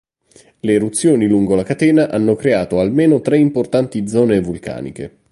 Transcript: Le eruzioni lungo la catena hanno creato almeno tre importanti zone vulcaniche.